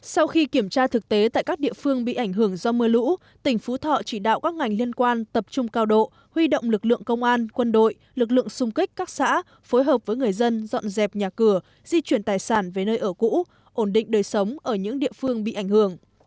sau khi kiểm tra thực tế tại các địa phương bị ảnh hưởng do mưa lũ tỉnh phú thọ chỉ đạo các ngành liên quan tập trung cao độ huy động lực lượng công an quân đội lực lượng xung kích các xã phối hợp với người dân dọn dẹp nhà cửa di chuyển tài sản về nơi ở cũ ổn định đời sống ở những địa phương bị ảnh hưởng